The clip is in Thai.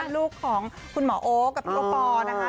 ลูกของคุณหมอโอ๊คกับพี่โอปอล์นะคะ